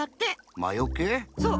そう。